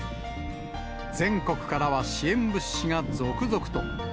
全国からは支援物資が続々と。